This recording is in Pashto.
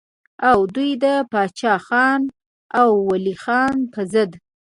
او دوي د باچا خان او ولي خان پۀ ضد